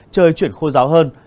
trời chuyển khô giáo hơn